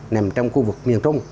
nằm trong khu vực miền trung